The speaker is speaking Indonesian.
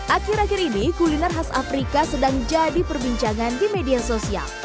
akhir akhir ini kuliner khas afrika sedang jadi perbincangan di media sosial